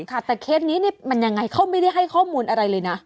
แต่เคสนี้มันยังไงเขาไม่ได้ให้ข้อมูลอะไรเลยนะ